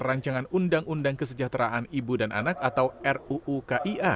rancangan undang undang kesejahteraan ibu dan anak atau ruu kia